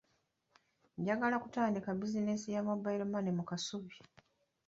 Njagala kutandika bizinensi ya mobile money mu Kasubi.